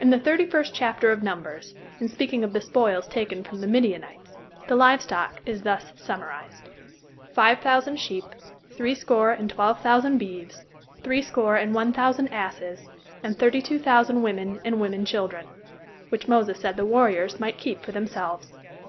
In the Thirty First Chapter of Numbers, in speaking of the spoils taken from the Midianites, the live stock is thus summarized: "Five thousand sheep, threescore and twelve thousand beeves, threescore and one thousand asses, and thirty two thousand women and women children," which Moses said the warriors might keep for themselves.